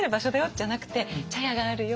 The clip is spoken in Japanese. じゃなくて「茶屋があるよ。